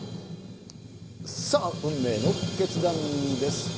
さあ、運命の決断です。